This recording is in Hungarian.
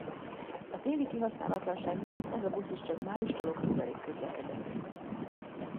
A téli kihasználatlanság miatt ez a busz is csak májustól októberig közlekedett.